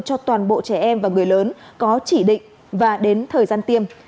cho toàn bộ trẻ em và người lớn có chỉ định và đến thời gian tiêm